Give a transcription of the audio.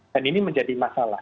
dan ini menjadi masalah